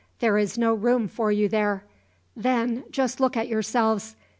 "There is no room for you there. Then, just look at yourselves.